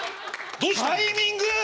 タイミング！